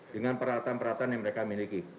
dengan peralatan peralatan yang mereka miliki